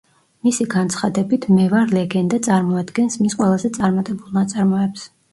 მისი განცხადებით, „მე ვარ ლეგენდა“ წარმოადგენს მის ყველაზე წარმატებულ ნაწარმოებს.